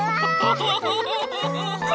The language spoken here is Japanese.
ハハハハハ。